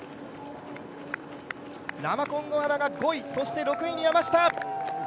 ラマコンゴアナが５位、そして６位に山下！